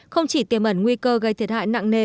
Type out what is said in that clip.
không chỉ tiềm ẩn nguy cơ gây thiệt hại nặng nề